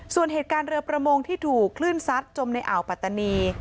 ส่วนเหตุการณ์เรือประมงที่ถูกคลื่นซัดจมในอ่าวปัตตานี